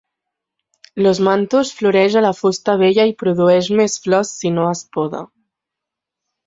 L'"Osmanthus" floreix a la fusta vella i produeix més flors si no es poda.